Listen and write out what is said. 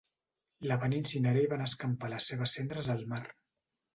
La van incinerar i van escampar les seves cendres al mar.